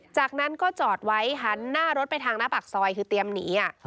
จากนั้นก็จอดไว้หันหน้ารถไปทางหน้าปากซอยคือเตรียมหนี